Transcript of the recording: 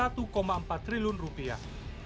satu empat triliun rupiah